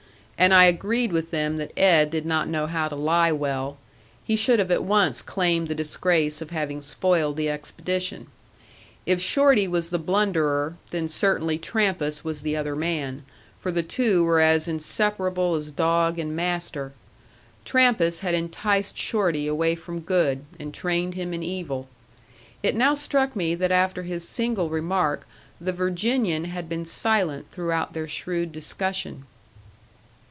And I agreed with them that Ed did not know how to lie well; he should have at once claimed the disgrace of having spoiled the expedition. If Shorty was the blunderer, then certainly Trampas was the other man; for the two were as inseparable as don and master. Trampas had enticed Shorty away from good, and trained him in evil. It now struck me that after his single remark the Virginian had been silent throughout their shrewd discussion.